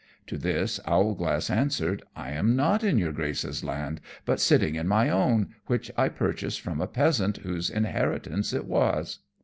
To this Owlglass answered, "I am not in your Grace's land, but sitting in my own, which I purchased from a peasant whose inheritance it was."